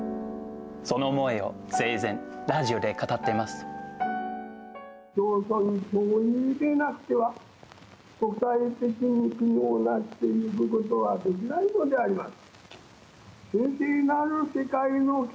その思いを生前、ラジオで語っています。